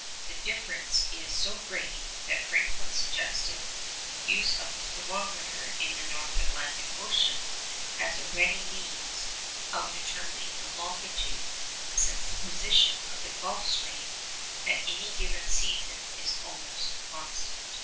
The difference is so great, that Franklin suggested the use of the thermometer in the North Atlantic Ocean as a ready means of determining the longitude, since the position of the Gulf Stream at any given season is almost constant.